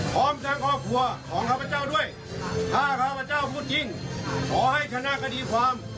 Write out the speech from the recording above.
พร้อมทั้งครอบครัวของข้าพเจ้าด้วยถ้าข้าพเจ้าพูดจริงขอให้คณะคดีความ